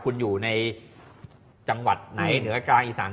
คุณอยู่ในจังหวัดไหนเหนือกลางอีสาน